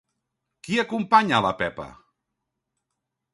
Qui acompanya a la Pepa?